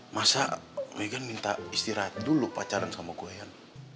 masa meghan minta istirahat dulu pacaran sama gue yan